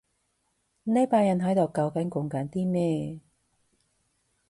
呢班人喺度究竟講緊啲咩